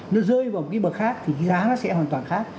nó rơi vào một cái bậc khác thì giá nó sẽ hoàn toàn khác